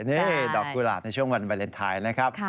นี่ดอกกุหลาบในช่วงวันวาเลนไทยนะครับ